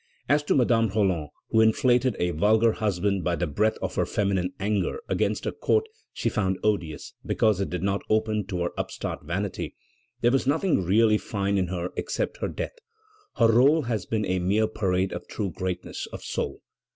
As to Madame Roland, who inflated a vulgar husband by the breath of her feminine anger against a court she found odious because it did not open to her upstart vanity, there was nothing really fine in her except her death. Her rôle had been a mere parade of true greatness of soul."